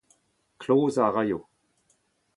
Klozañ a raio.